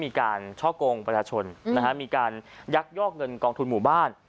มีการช่อกงประชาชนมีการยักยอกเงินกองทุนหมู่บ้าน